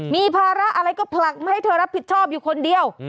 มีภาระอะไรก็ผลักมาให้เธอรับผิดชอบอยู่คนเดียว